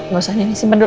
gak usah ini